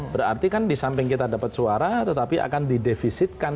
berarti kan di samping kita dapat suara tetapi akan didefisitkan